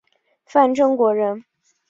范正国人。